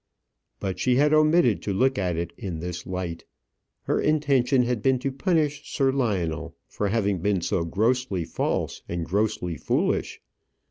But she had omitted to look at it in this light. Her intention had been to punish Sir Lionel for having been so grossly false and grossly foolish.